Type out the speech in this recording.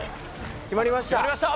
決まりました！